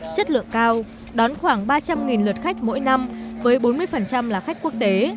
chất lượng cao đón khoảng ba trăm linh lượt khách mỗi năm với bốn mươi là khách quốc tế